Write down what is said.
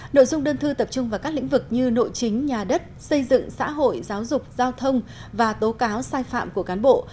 nội dung đơn thư tập trung vào các lĩnh vực như nội chính nhà đất xây dựng xã hội giáo dục giao thông và tố cáo sai phạm của cán bộ